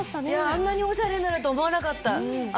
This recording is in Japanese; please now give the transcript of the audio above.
あんなにおしゃれになると思わなかった。